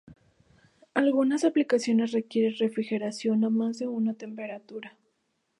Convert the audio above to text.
Algunas aplicaciones requieren refrigeración a más de una temperatura.